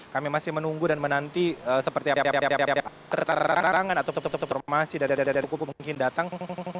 kami masih menunggu dan menanti seperti terterangan atau terformasi dari hukum mungkin datang